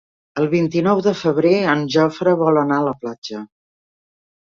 El vint-i-nou de febrer en Jofre vol anar a la platja.